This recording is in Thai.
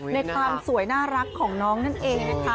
ในความสวยน่ารักของน้องนั่นเองนะคะ